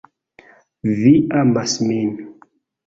Vi amas min